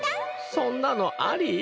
そんなのあり？